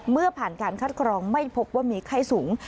เมื่อผ่านการคัดกรองไม่พบว่ามีไข้สูง